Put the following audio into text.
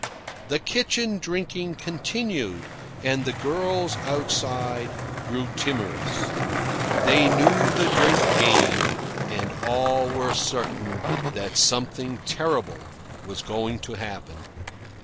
The kitchen drinking continued, and the girls outside grew timorous. They knew the drink game, and all were certain that something terrible was going to happen.